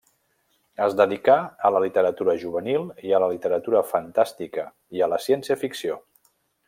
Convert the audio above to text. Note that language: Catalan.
Es dedica a la literatura juvenil i a la literatura fantàstica i a la ciència-ficció.